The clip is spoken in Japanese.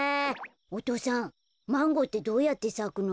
お父さんマンゴーってどうやってさくの？